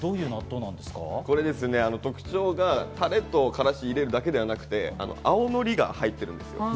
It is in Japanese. これ特徴がタレとからしを入れるだけではなくて青のりが入ってるんですね。